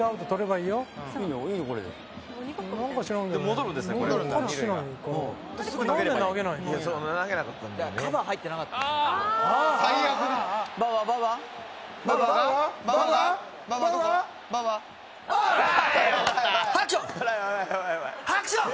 いけハクション。